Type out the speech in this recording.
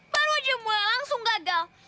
baru aja mulai langsung gagal